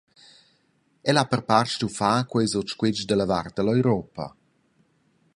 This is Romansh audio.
El ha per part stuiu far quei sut squetsch da vart dalla Europa.